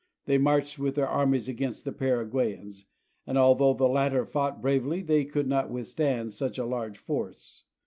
They marched with their armies against the Paraguayans, and although the latter fought bravely they could not withstand such a large force.